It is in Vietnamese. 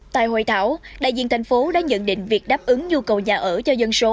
tại hội thảo đại diện thành phố đã nhận định việc đáp ứng nhu cầu nhà ở cho dân số